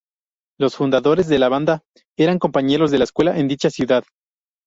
Los fundadores de la banda eran compañeros de la escuela en dicha ciudad.